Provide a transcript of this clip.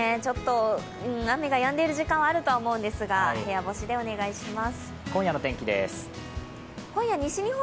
雨がやんでいる時間はあると思うんですが部屋干しでお願いします。